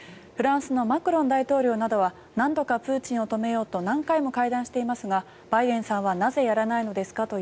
フランスのマクロン大統領などは何度かプーチンを止めようと何回も会談していますがバイデンさんはなぜやらないのですか？